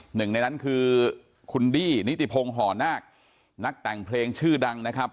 หนึ่งในนั้นคือคุณดี้นิติพงศ์ห่อนาคนักแต่งเพลงชื่อดังนะครับ